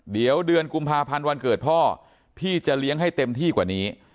เดี๋ยวเดือนกุมภาพันธ์วันเกิดพ่อพี่จะเลี้ยงให้เต็มที่กว่านี้